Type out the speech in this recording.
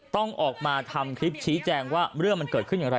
ต้องออกมาทำคลิปชี้แจงว่าเรื่องมันเกิดขึ้นอย่างไร